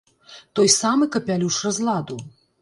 Той самы капялюш разладу.